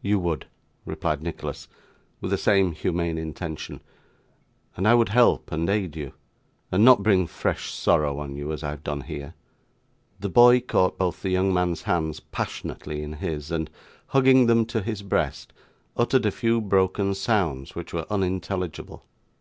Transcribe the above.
'You would,' replied Nicholas, with the same humane intention, 'and I would help and aid you, and not bring fresh sorrow on you as I have done here.' The boy caught both the young man's hands passionately in his, and, hugging them to his breast, uttered a few broken sounds which were unintelligible.